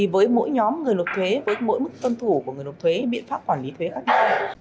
với mỗi nhóm người nộp thuế với mỗi mức tuân thủ của người nộp thuế biện pháp quản lý thuế khác nhau